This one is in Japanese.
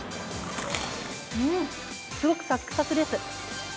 すごくサックサクです。